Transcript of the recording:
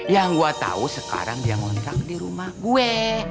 yang gue tau sekarang dia ngontrak di rumah gue